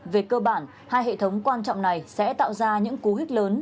về cơ bản hai hệ thống quan trọng này sẽ tạo ra những cú hích lớn